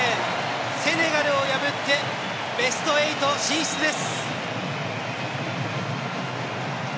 セネガルを破ってベスト８進出です。